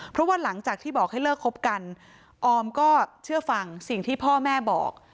เพราะว่าหลังจากที่บอกให้เลิกคบกันออมก็เชื่อฟังสิ่งที่พ่อแม่บอก